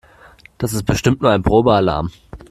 Das ist bestimmt nur ein Probealarm.